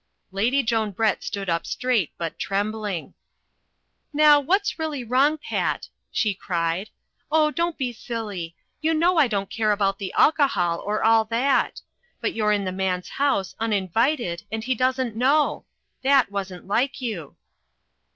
Lady Joan Brett stood up straight but trembling. "Now that's really wrong, Pat/' she cried. "Oh, don't be silly — you taiow I don't care about the alcohol or all that. But you're in the man's house, uninvited, and he doesn't know. That wasn't like you."